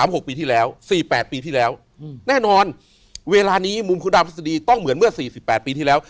ปี๓๖ปีที่แล้ว๔๘ปีที่แล้วแน่นอนเวลานี้มุมของดาวราศดีต้องเหมือนเมื่อ๔๘ปีที่แล้ว